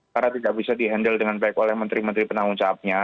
karena tidak bisa di handle dengan baik oleh menteri menteri penanggung caapnya